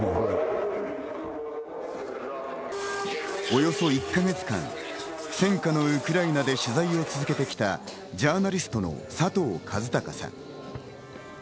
およそ１か月間、戦火のウクライナで取材を続けてきたジャーナリストの佐藤和孝さん。